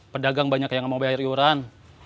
pedagang banyak yang mau bayar yoran